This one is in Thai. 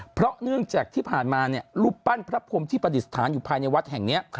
เพราะเนื่องจากที่ผ่านมาเนี่ยรูปปั้นพระพรมที่ประดิษฐานอยู่ภายในวัดแห่งนี้